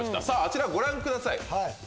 さああちらご覧ください。